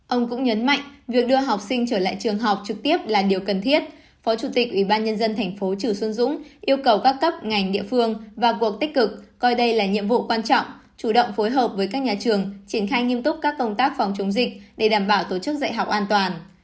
ông cũng nhấn mạnh việc đưa học sinh trở lại trường học trực tiếp là điều cần thiết phó chủ tịch ủy ban nhân dân thành phố chử xuân dũng yêu cầu các cấp ngành địa phương và cuộc tích cực coi đây là nhiệm vụ quan trọng chủ động phối hợp với các nhà trường triển khai nghiêm túc các công tác phòng chống dịch để đảm bảo tổ chức dạy học an toàn